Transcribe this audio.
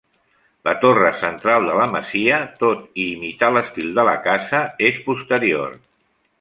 La torre central de la masia, tot i imitar l'estil de la casa, és posterior.